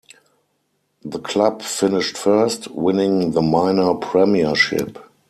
The club finished first, winning the Minor Premiership.